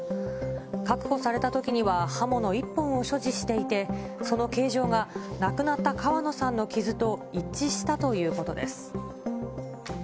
確保されたときには、刃物１本を所持していて、その形状が亡くなった川野さんの傷と一致したということです。